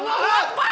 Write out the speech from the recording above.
masya allah kiamat